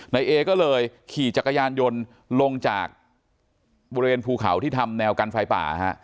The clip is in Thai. นายเอก็เลยขี่จักรยานยนต์ลงจากบริเวณภูเขาที่ทำแนวกันไฟป่าฮะ